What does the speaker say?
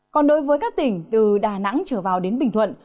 còn đối với các tỉnh từ đà nẵng trở vào đến bình thuận